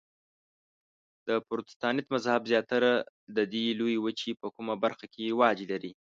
د پروتستانت مذهب زیاتره د دې لویې وچې په کومه برخه کې رواج لري؟